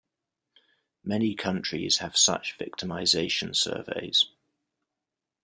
Many countries have such victimization surveys.